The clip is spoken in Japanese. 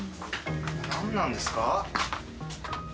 何なんですか？